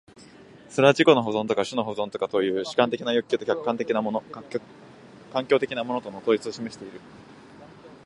それは自己の保存とか種の保存とかという主観的な欲求と客観的なもの環境的なものとの統一を示している。